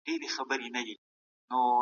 بې خوبه شپې څوک نه ویني.